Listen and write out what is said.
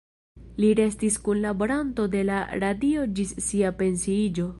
Li restis kunlaboranto de la radio ĝis sia pensiiĝo.